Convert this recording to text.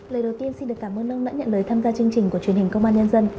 lời đầu tiên xin được cảm ơn ông đã nhận lời tham gia chương trình của truyền hình công an nhân dân